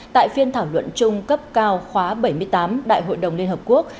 tại phiên thảo luận chung cấp cao khóa bảy mươi tám đại hội đồng liên hợp quốc